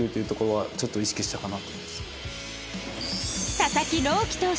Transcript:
佐々木朗希投手